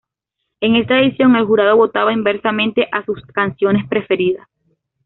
En esta edición, el jurado votaba inversamente a sus canciones preferidas.